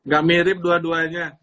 gak mirip dua duanya